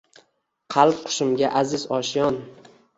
Qalb qushimga aziz oshyon